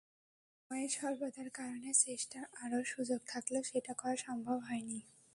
ফলে সময়ের স্বল্পতার কারণে চেষ্টার আরও সুযোগ থাকলেও সেটা করা সম্ভব হয়নি।